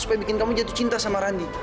supaya bikin kamu jatuh cinta sama randi